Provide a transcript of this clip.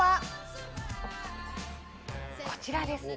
こちらです。